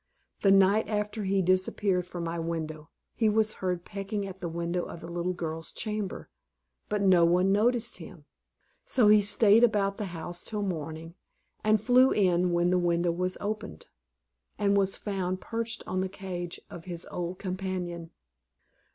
The night after he disappeared from my window, he was heard pecking at the window of the little girl's chamber, but no one noticed him; so he stayed about the house till morning, and flew in when the window was opened, and was found perched on the cage of his old companion.